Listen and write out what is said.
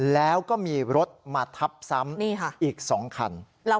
แล้วก็มีรถมาทับซ้ำอีก๒คัน